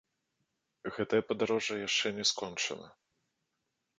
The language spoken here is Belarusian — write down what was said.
Гэтае падарожжа яшчэ не скончана.